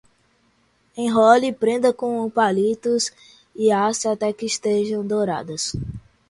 Enrole, prenda com palitos, e asse até que estejam douradas.